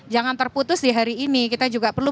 jangan terputus di hari ini kita juga perlu